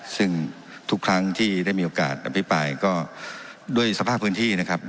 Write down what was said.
ซึ่งทุกครั้งที่ได้มีโอกาสอภิปรายก็ด้วยสภาพพื้นที่นะครับ